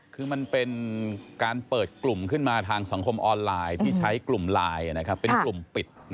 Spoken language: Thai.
คือมันเป็นการเปิดกลุ่มขึ้นมาทางสังคมออนไลน์ที่ใช้กลุ่มไลน์เป็นกลุ่มปิด